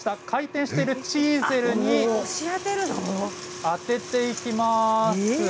回転しているチーゼルに当てていきます。